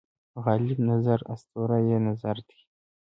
غالب نظر اسطوره یي نظر دی.